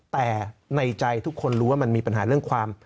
แต่ในใจทุกคนรู้ว่ามันมีปัญหาเรื่องความ